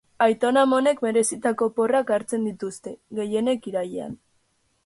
Aiton amonek merezitako oporrak hartzen dituzte, gehienek irailean.